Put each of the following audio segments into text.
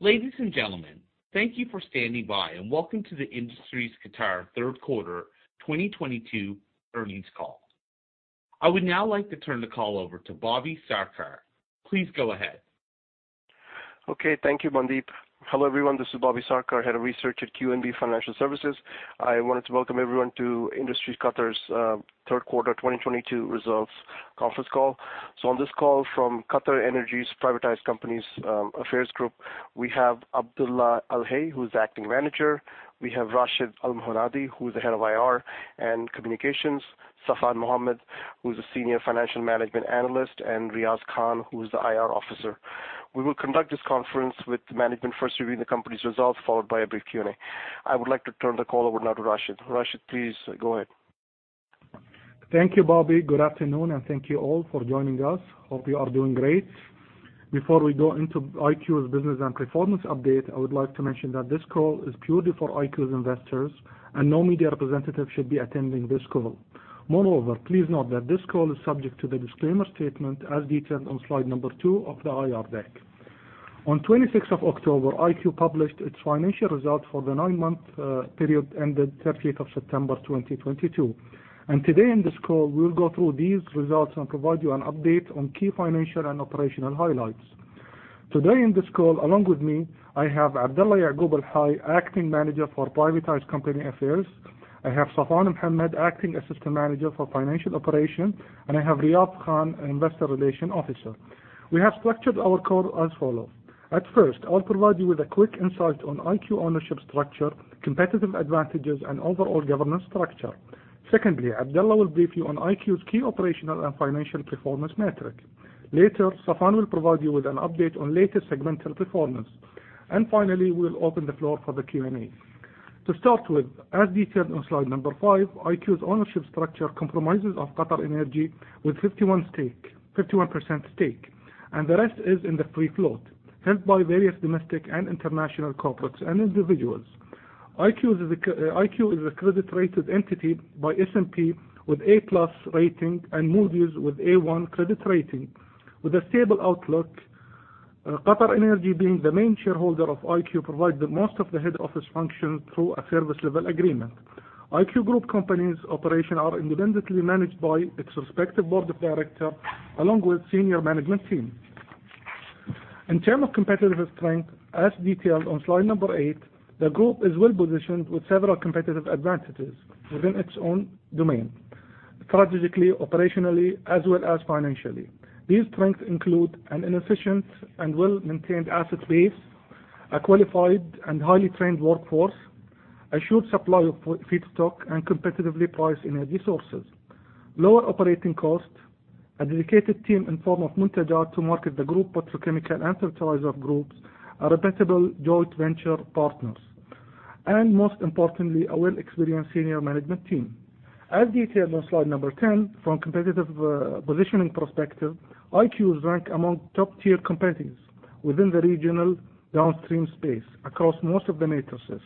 Ladies and gentlemen, thank you for standing by, and welcome to the Industries Qatar Third Quarter 2022 Earnings Call. I would now like to turn the call over to Bobby Sarkar. Please go ahead. Okay. Thank you, Mandeep. Hello, everyone. This is Bobby Sarkar, Head of Research at QNB Financial Services. I wanted to welcome everyone to Industries Qatar's Third Quarter 2022 Results Conference Call. On this call from QatarEnergy's Privatized Companies Affairs Group, we have Abdulla Al-Hay, who's the Acting Manager. We have Rashed Al-Muhannadi, who's the Head of IR and Communications. Saffan Mohammed, who's the Senior Financial Management Analyst, and Riaz Khan, who is the IR Officer. We will conduct this conference with management first reviewing the company's results, followed by a brief Q&A. I would like to turn the call over now to Rashed. Rashed, please go ahead. Thank you, Bobby. Good afternoon, and thank you all for joining us. Hope you are doing great. Before we go into IQ's business and performance update, I would like to mention that this call is purely for IQ's investors, and no media representatives should be attending this call. Moreover, please note that this call is subject to the disclaimer statement as detailed on slide number two of the IR deck. On the 26th of October, IQ published its financial results for the nine-month period ended 30th of September 2022. Today in this call, we will go through these results and provide you an update on key financial and operational highlights. Today in this call, along with me, I have Abdulla Yaqoob Al-Hay, Acting Manager for Privatized Company Affairs. I have Saffan Mohammed, Acting Assistant Manager for Financial Operation, and I have Riaz Khan, an Investor Relations Officer. We have structured our call as follows. At first, I'll provide you with a quick insight on IQ ownership structure, competitive advantages, and overall governance structure. Secondly, Abdulla will brief you on IQ's key operational and financial performance metric. Later, Saffan will provide you with an update on latest segmental performance. Finally, we'll open the floor for the Q&A. To start with, as detailed on slide number five, IQ's ownership structure compromises of QatarEnergy with 51% stake, and the rest is in the free float, held by various domestic and international corporates and individuals. IQ is a credit-rated entity by S&P with A+ rating and Moody's with A1 credit rating with a stable outlook. QatarEnergy, being the main shareholder of IQ, provides the most of the head office function through a service level agreement. IQ group companies operation are independently managed by its respective board of director along with senior management team. In term of competitive strength, as detailed on slide number eight, the group is well-positioned with several competitive advantages within its own domain, strategically, operationally, as well as financially. These strengths include an efficient and well-maintained asset base, a qualified and highly trained workforce, a sure supply of feedstock and competitively priced energy sources, lower operating costs, a dedicated team in form of Muntajat to market the group petrochemical and fertilizer groups, a reputable joint venture partners, and most importantly, a well-experienced senior management team. As detailed on slide number 10, from competitive positioning perspective, IQ is ranked among top-tier competitors within the regional downstream space across most of the matrices.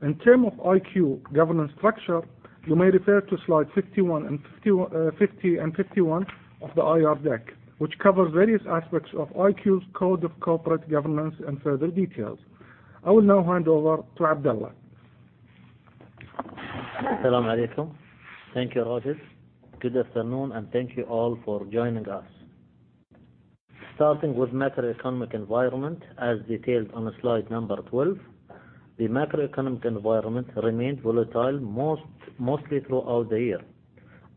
In term of IQ governance structure, you may refer to slide 50 and 51 of the IR deck, which covers various aspects of IQ's code of corporate governance and further details. I will now hand over to Abdulla. As-salamu alaykum. Thank you, Rashed. Good afternoon, and thank you all for joining us. Starting with macroeconomic environment as detailed on slide number 12, the macroeconomic environment remained volatile mostly throughout the year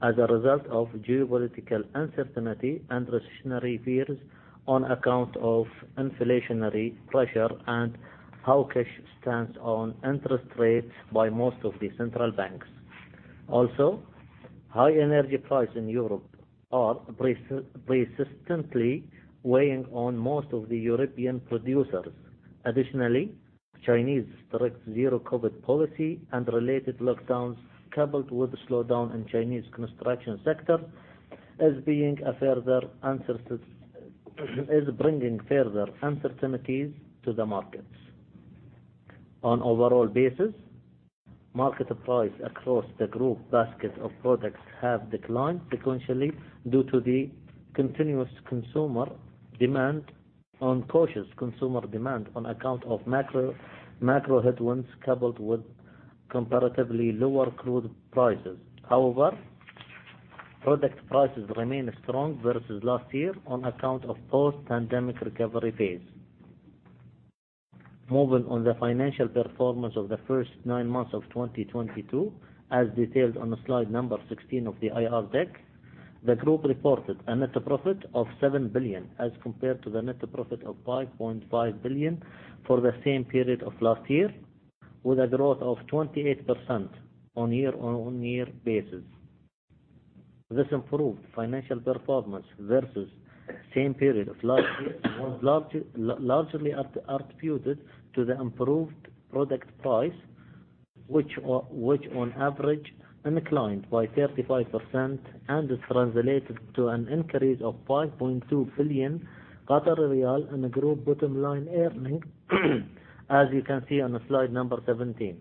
as a result of geopolitical uncertainty and recessionary fears on account of inflationary pressure and hawkish stance on interest rates by most of the central banks. Also, high energy price in Europe are persistently weighing on most of the European producers. Additionally, Chinese strict zero-COVID policy and related lockdowns, coupled with the slowdown in Chinese construction sector, is bringing further uncertainties to the markets. On overall basis, market price across the group basket of products have declined sequentially due to the continuous cautious consumer demand on account of macro headwinds coupled with comparatively lower crude prices. However, product prices remain strong versus last year on account of post-pandemic recovery phase. Moving on the financial performance of the first nine months of 2022, as detailed on slide number 16 of the IR deck, the group reported a net profit of 7 billion as compared to the net profit of 5.5 billion for the same period of last year, with a growth of 28% on year-on-year basis. This improved financial performance versus same period of last year was largely attributed to the improved product price, which on average inclined by 35% and is translated to an increase of 5.2 billion riyal in the group bottom line earning, as you can see on slide number 17.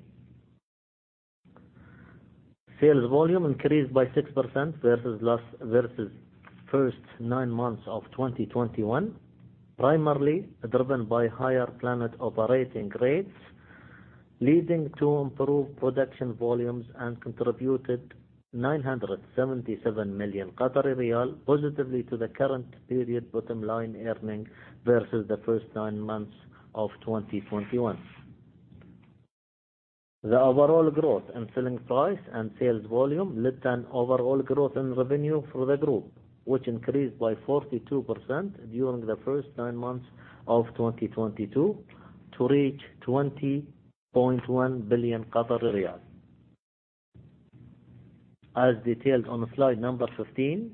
Sales volume increased by 6% versus first nine months of 2021, primarily driven by higher plant operating rates, leading to improved production volumes and contributed 977 million Qatari riyal positively to the current period bottom line earning versus the first nine months of 2021. The overall growth in selling price and sales volume led to an overall growth in revenue for the group, which increased by 42% during the first nine months of 2022 to reach 20.1 billion riyal. As detailed on slide 15,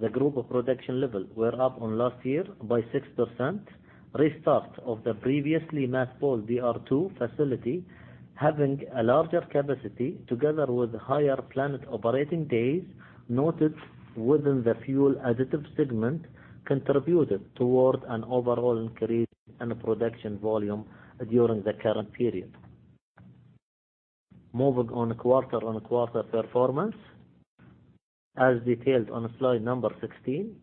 the group production levels were up on last year by 6%. Restart of the previously mothballed DR2 facility, having a larger capacity together with higher plant operating days noted within the fuel additive segment, contributed towards an overall increase in production volume during the current period. Moving on quarter-on-quarter performance, as detailed on slide 16.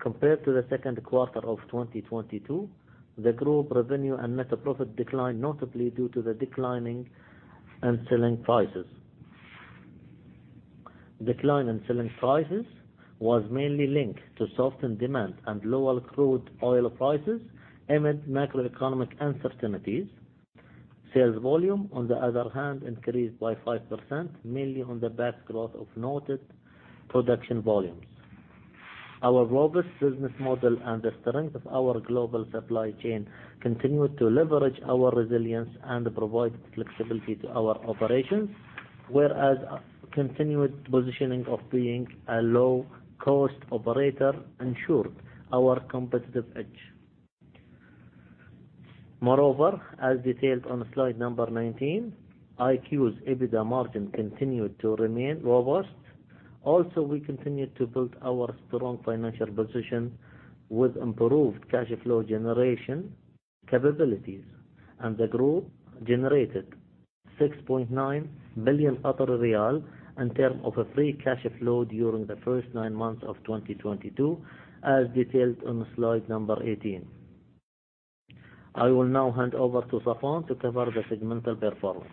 Compared to the second quarter of 2022, the group revenue and net profit declined notably due to the declining in selling prices. Decline in selling prices was mainly linked to softened demand and lower crude oil prices amid macroeconomic uncertainties. Sales volume, on the other hand, increased by 5%, mainly on the back growth of noted production volumes. Our robust business model and the strength of our global supply chain continued to leverage our resilience and provide flexibility to our operations, whereas continued positioning of being a low-cost operator ensured our competitive edge. Moreover, as detailed on slide 19, IQ's EBITDA margin continued to remain robust. Also, we continued to build our strong financial position with improved cash flow generation capabilities, and the group generated 6.9 billion in term of free cash flow during the first nine months of 2022, as detailed on slide 18. I will now hand over to Saffan to cover the segmental performance.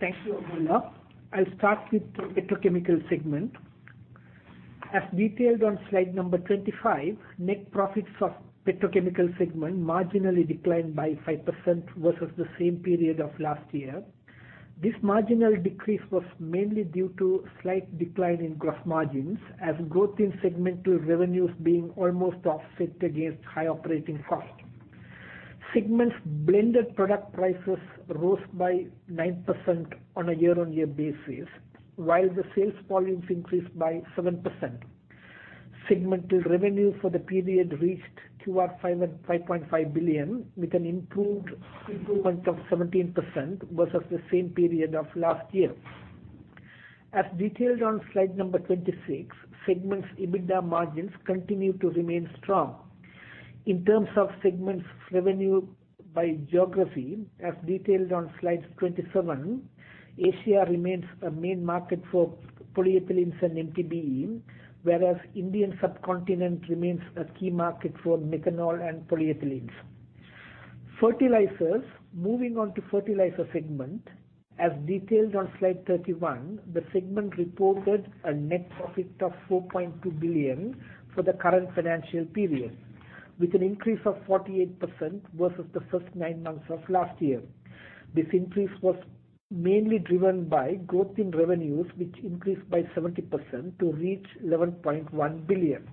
Thank you, Abdulla. I'll start with the petrochemical segment. As detailed on slide 25, net profits of petrochemical segment marginally declined by 5% versus the same period of last year. This marginal decrease was mainly due to slight decline in gross margins, as growth in segmental revenues being almost offset against high operating cost. Segment's blended product prices rose by 9% on a year-on-year basis, while the sales volumes increased by 7%. Segmental revenue for the period reached 5.5 billion, with an improvement of 17% versus the same period of last year. As detailed on slide 26, segment's EBITDA margins continue to remain strong. In terms of segment's revenue by geography, as detailed on slide 27, Asia remains a main market for polyethylenes and MTBE, whereas Indian subcontinent remains a key market for methanol and polyethylenes. Fertilizers. Moving on to fertilizer segment. As detailed on slide 31, the segment reported a net profit of 4.2 billion for the current financial period, with an increase of 48% versus the first nine months of last year. This increase was mainly driven by growth in revenues, which increased by 70% to reach 11.1 billion.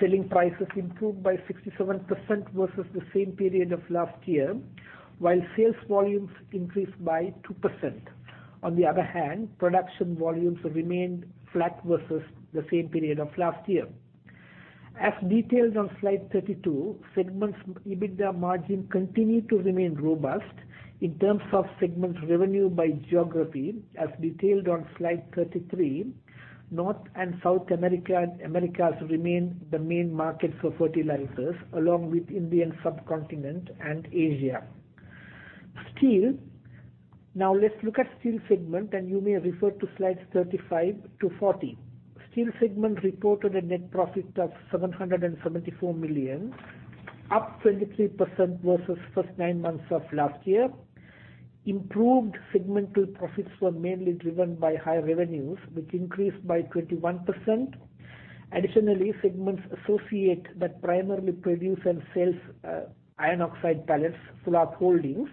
Selling prices improved by 67% versus the same period of last year, while sales volumes increased by 2%. On the other hand, production volumes remained flat versus the same period of last year. As detailed on slide 32, segment's EBITDA margin continued to remain robust. In terms of segment's revenue by geography, as detailed on slide 33, North and South Americas remain the main markets for fertilizers, along with Indian subcontinent and Asia. Steel. Now let's look at steel segment, and you may refer to slides 35-40. Steel segment reported a net profit of 774 million, up 23% versus first nine months of last year. Improved segmental profits were mainly driven by high revenues, which increased by 21%. Additionally, segment's associate that primarily produce and sells iron oxide pellets, Sulb Holdings,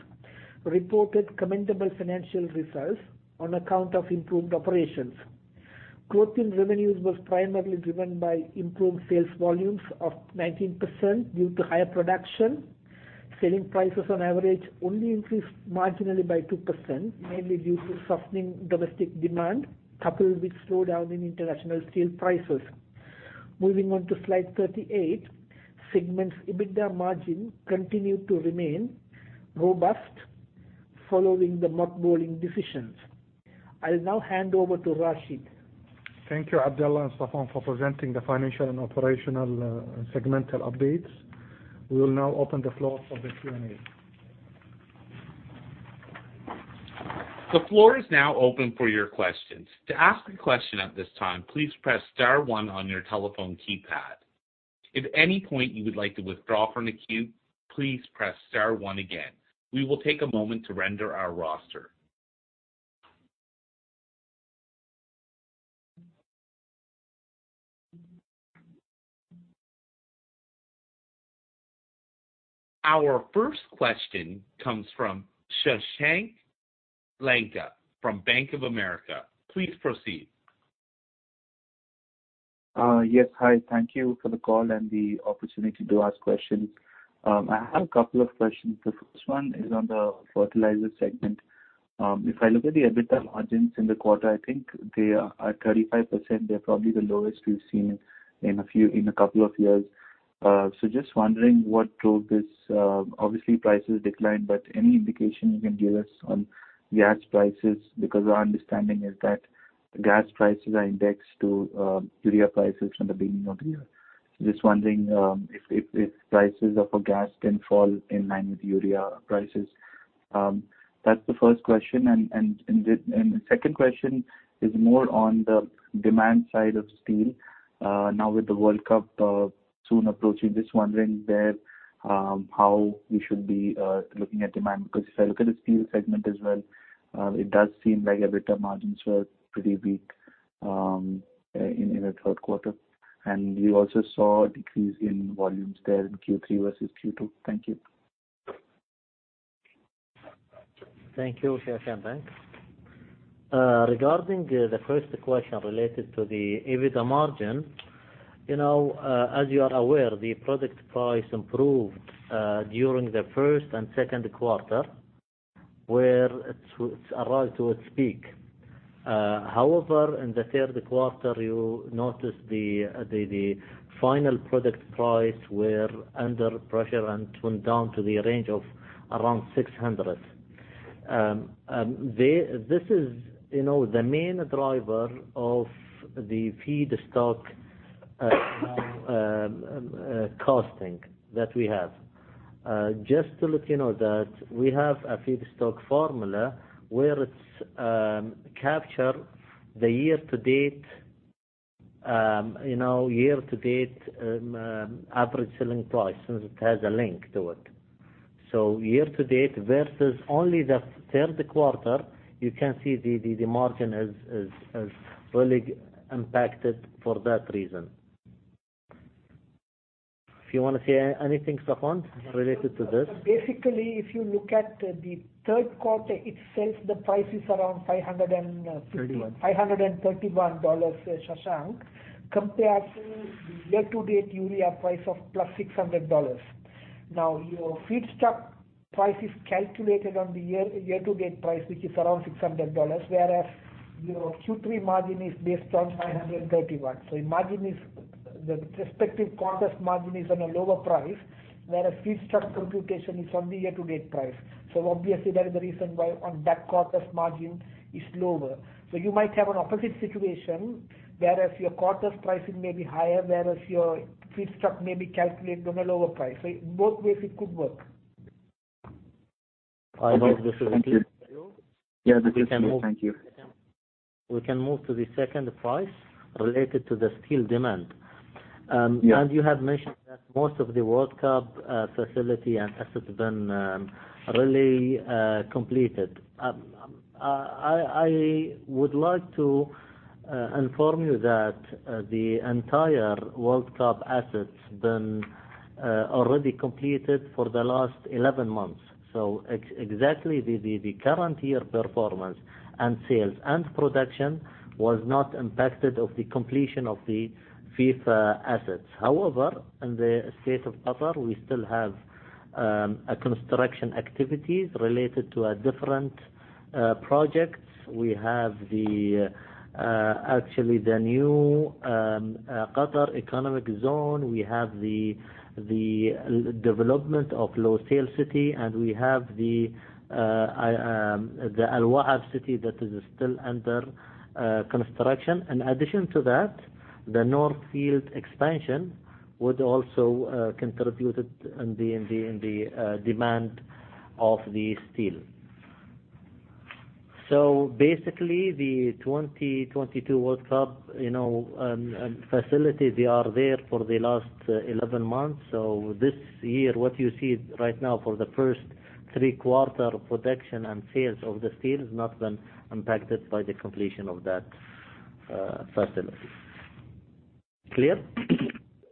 reported commendable financial results on account of improved operations. Growth in revenues was primarily driven by improved sales volumes of 19% due to higher production. Selling prices on average only increased marginally by 2%, mainly due to softening domestic demand, coupled with slowdown in international steel prices. Moving on to slide 38, segment's EBITDA margin continued to remain robust following the mothballing decisions. I'll now hand over to Rashed. Thank you, Abdulla and Saffan, for presenting the financial and operational segmental updates. We will now open the floor for the Q&A. The floor is now open for your questions. To ask a question at this time, please press star one on your telephone keypad. If at any point you would like to withdraw from the queue, please press star one again. We will take a moment to render our roster. Our first question comes from Shashank Lanka from Bank of America. Please proceed. Yes. Hi, thank you for the call and the opportunity to ask questions. I have a couple of questions. The first one is on the fertilizer segment. If I look at the EBITDA margins in the quarter, I think they are at 35%, they're probably the lowest we've seen in a couple of years. Just wondering what drove this. Obviously, prices declined, but any indication you can give us on gas prices? Because our understanding is that gas prices are indexed to urea prices from the beginning of the year. Just wondering if prices of gas can fall in line with urea prices. That's the first question. The second question is more on the demand side of steel. Now with the World Cup soon approaching, just wondering how we should be looking at demand, because if I look at the steel segment as well, it does seem like EBITDA margins were pretty weak in the third quarter. We also saw a decrease in volumes there in Q3 versus Q2. Thank you. Thank you, Shashank. Regarding the first question related to the EBITDA margin. As you are aware, the product price improved during the first and second quarter, where it arrived to its peak. However, in the third quarter you notice the final product price were under pressure and went down to the range of around $600. This is the main driver of the feedstock costing that we have. Just to let you know that we have a feedstock formula where it captures the year-to-date average selling price, since it has a link to it. Year to date versus only the third quarter, you can see the margin is really impacted for that reason. If you want to say anything, Saffan, related to this. Basically, if you look at the third quarter itself, the price is around $531. 31. $531, Shashank, comparing year-to-date urea price of plus $600. Your feedstock price is calculated on the year-to-date price, which is around $600, whereas your Q3 margin is based on $531. The respective quarter's margin is on a lower price, whereas feedstock computation is on the year-to-date price. Obviously that is the reason why on that quarter's margin is lower. You might have an opposite situation, whereas your quarter's pricing may be higher, whereas your feedstock may be calculated on a lower price. Both ways it could work. Okay. Thank you. I hope this is clear for you. Yeah, this is clear. Thank you. We can move to the second price related to the steel demand. Yeah. You had mentioned that most of the World Cup facility and assets been really completed. I would like to inform you that the entire World Cup assets been already completed for the last 11 months. Exactly the current year performance and sales and production was not impacted of the completion of the FIFA assets. In the state of Qatar, we still have a construction activities related to a different projects. We have the actually the new Qatar Economic Zones. We have the development of Lusail City, and we have the Al Wakra City that is still under construction. In addition to that, the North Field expansion would also contributed in the demand of the steel. Basically the 2022 World Cup facilities, they are there for the last 11 months. This year, what you see right now for the first three quarter production and sales of the steel has not been impacted by the completion of that facility. Clear?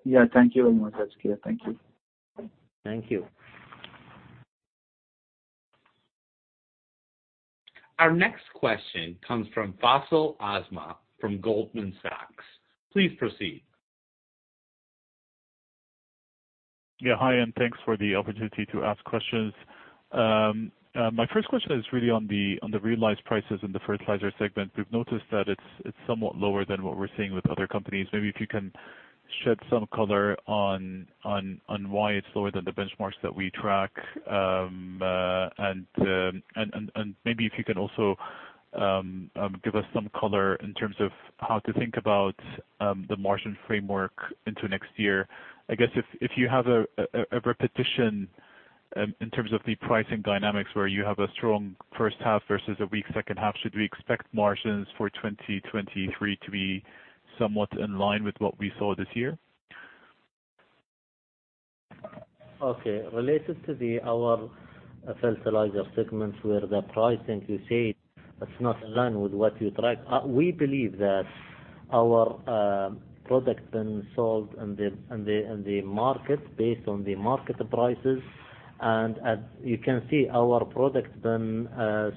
Yeah. Thank you very much. That's clear. Thank you. Thank you. Our next question comes from Faisal Aslam from Goldman Sachs. Please proceed. Yeah. Hi, thanks for the opportunity to ask questions. My first question is really on the realized prices in the fertilizer segment. We've noticed that it's somewhat lower than what we're seeing with other companies. Maybe if you can shed some color on why it's lower than the benchmarks that we track. Maybe if you can also give us some color in terms of how to think about the margin framework into next year. I guess if you have a repetition in terms of the pricing dynamics where you have a strong first half versus a weak second half, should we expect margins for 2023 to be somewhat in line with what we saw this year? Okay. Related to our fertilizer segments where the pricing you said it's not in line with what you track. We believe that our product been sold in the market based on the market prices. As you can see, our product been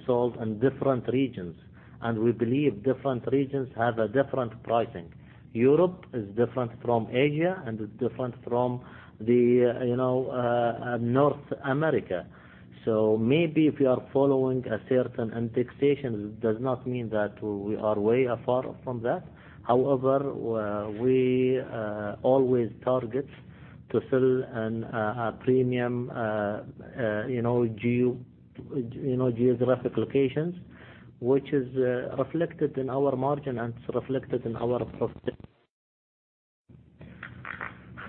sold in different regions, and we believe different regions have a different pricing. Europe is different from Asia and different from North America. Maybe if you are following a certain indexation, it does not mean that we are way afar from that. However, we always target to sell in a premium geographic locations, which is reflected in our margin and it's reflected in our profit.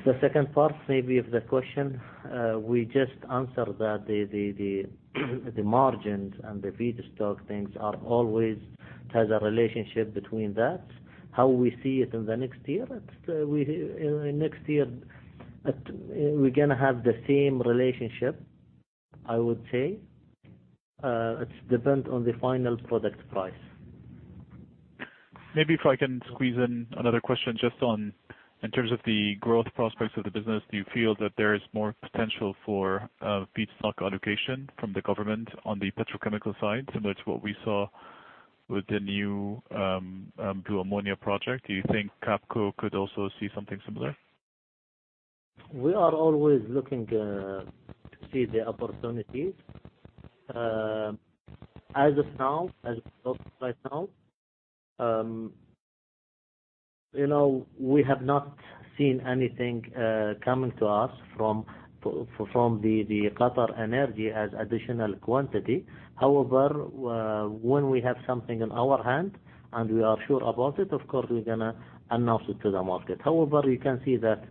The second part, maybe, of the question. We just answered that the margins and the feedstock things are always has a relationship between that. How we see it in the next year, we're going to have the same relationship, I would say. It depends on the final product price. Maybe if I can squeeze in another question just on, in terms of the growth prospects of the business, do you feel that there is more potential for feedstock allocation from the government on the petrochemical side, similar to what we saw with the new blue ammonia project? Do you think QAFCO could also see something similar? We are always looking to see the opportunities. As of now, as we talk right now, we have not seen anything coming to us from QatarEnergy as additional quantity. When we have something in our hand and we are sure about it, of course, we're going to announce it to the market. You can see that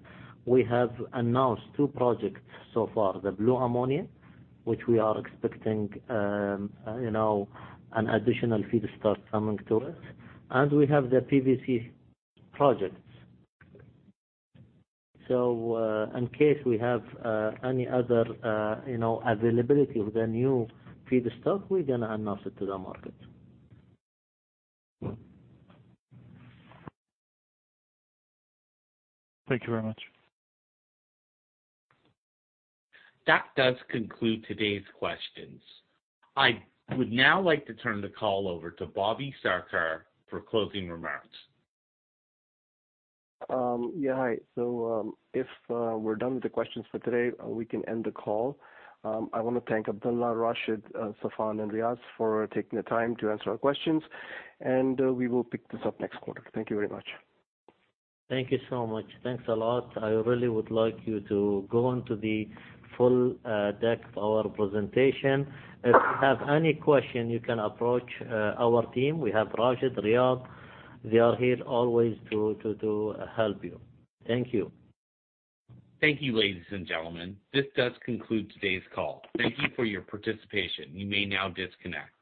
we have announced two projects so far, the blue ammonia, which we are expecting an additional feedstock coming to it. We have the PVC projects. In case we have any other availability of the new feedstock, we're going to announce it to the market. Thank you very much. That does conclude today's questions. I would now like to turn the call over to Bobby Sarkar for closing remarks. Hi. If we're done with the questions for today, we can end the call. I want to thank Abdulla, Rashed, Saffan, and Riaz for taking the time to answer our questions. We will pick this up next quarter. Thank you very much. Thank you so much. Thanks a lot. I really would like you to go onto the full deck of our presentation. If you have any question, you can approach our team. We have Rashed, Riaz. They are here always to help you. Thank you. Thank you, ladies and gentlemen. This does conclude today's call. Thank you for your participation. You may now disconnect.